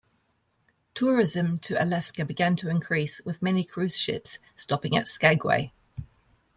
Tourism to Alaska began to increase, with many cruise ships stopping at Skagway.